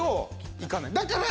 いかない！